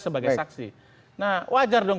sebagai saksi nah wajar dong